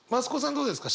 どうですか？